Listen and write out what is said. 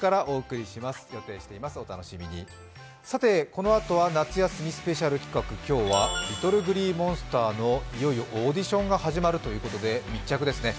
このあとは夏休みスペシャル企画、今日はＬｉｔｔｌｅＧｌｅｅＭｏｎｓｔｅｒのいよいよオーディションが始まるということで、密着ですね。